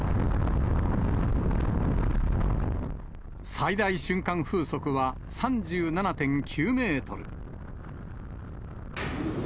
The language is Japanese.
最大瞬間風速は３７．９メートル。